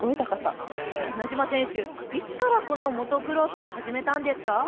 名島選手、いつからモトクロスを始めたんですか。